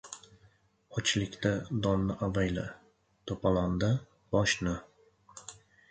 • Ochlikda donni avayla, to‘palonda — boshni.